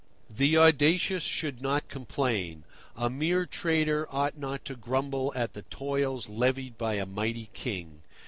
The audacious should not complain. A mere trader ought not to grumble at the tolls levied by a mighty king.